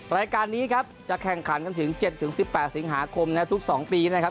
รายการนี้ครับจะแข่งขันกันถึง๗๑๘สิงหาคมนะครับทุก๒ปีนะครับ